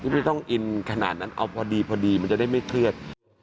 ไม่ต้องอินขนาดนั้นเอาพอดีพอดีมันจะได้ไม่เครียด